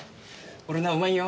俺のはうまいよ？